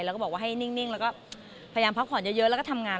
แล้วก็บอกว่าให้นิ่งแล้วก็พยายามพักผ่อนเยอะแล้วก็ทำงาน